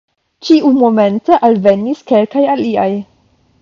Ĉiumomente alvenis kelkaj aliaj.